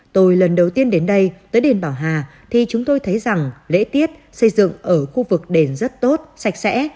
tôi lần đầu tiên đến đây tới đền bảo hà thì chúng tôi thấy rằng lễ tiết xây dựng ở khu vực đền rất tốt sạch sẽ